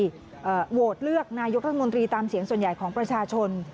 โหวตเลือกนายกรัฐมนตรีตามเสียงส่วนใหญ่ของประชาชน